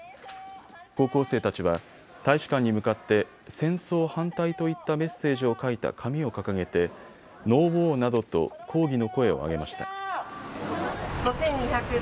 高校生たちは大使館に向かって戦争反対といったメッセージを書いた紙を掲げてＮＯＷＡＲなどと抗議の声を上げました。